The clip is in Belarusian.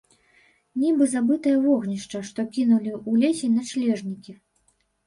Нібы забытае вогнішча, што кінулі ў лесе начлежнікі.